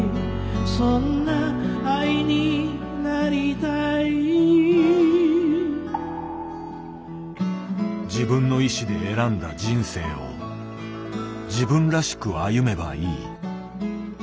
そんな愛になりたい自分の意思で選んだ人生を自分らしく歩めばいい。